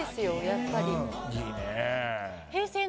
やっぱり。